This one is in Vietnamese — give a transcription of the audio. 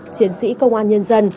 chiến sĩ công an nhân dân